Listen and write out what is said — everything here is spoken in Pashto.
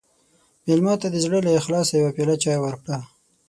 مېلمه ته د زړه له اخلاصه یوه پیاله چای ورکړه.